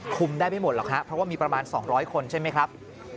ได้ไม่หมดหรอกครับเพราะว่ามีประมาณ๒๐๐คนใช่ไหมครับ